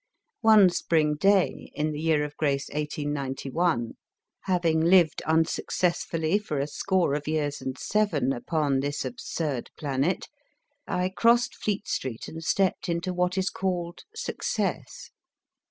One spring day, in the year of grace 1891, having lived unsuccessfully for a score of years and seven upon this absurd planet, I crossed Fleet Street and stepped into what is called success.